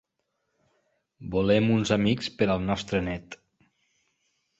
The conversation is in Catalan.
Volem uns amics per al nostre net.